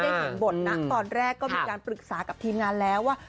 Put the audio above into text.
เห็นบทนะตอนแรกก็มีการปรึกษากับทีมงานแล้วว่า